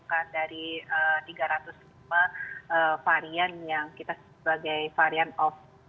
kita sudah temukan dari tiga ratus lima varian yang kita sebagai varian of